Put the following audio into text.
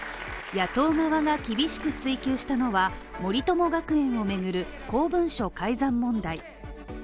野党側が厳しく追及したのは、森友学園をめぐる公文書改ざん問題。